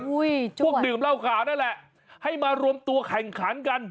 ช่วงดื่มเหล้าขาวนั่นแหละให้มารวมตัวแข่งขันกัน